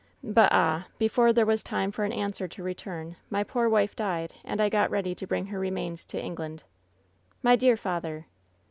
But, ah ! before there was time for an answer to return my poor wife died, and I got ready to bring her remains to England/ " 'My dear father